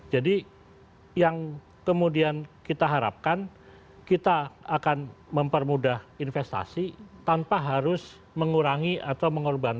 jadi yang kemudian kita harapkan kita akan mempermudah investasi tanpa harus mengurangi atau mengorbankan